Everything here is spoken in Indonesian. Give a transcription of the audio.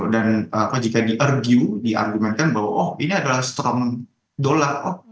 dan jika di argue di argumentkan bahwa ini adalah strong dollar